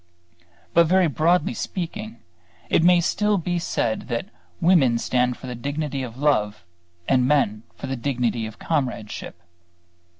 But very broadly speaking it may still be said that women stand for the dignity of love and men for the dignity of comradeship.